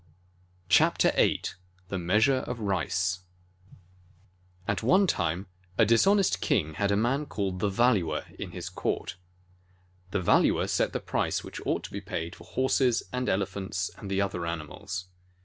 33 VIII THE MEASURE OF RICE AT one time a dishonest king had a man called the Valuer in his court. The Valuer set the price which ought to be paid for horses and elephants and the other animals.